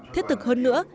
thiết thực hơn nữa